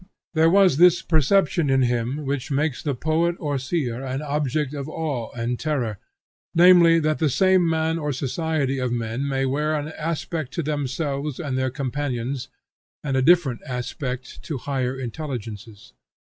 There was this perception in him which makes the poet or seer an object of awe and terror, namely that the same man or society of men may wear one aspect to themselves and their companions, and a different aspect to higher intelligences.